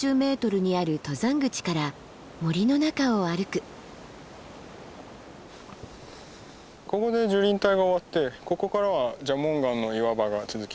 ここで樹林帯が終わってここからは蛇紋岩の岩場が続きます。